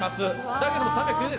だけど３９０円。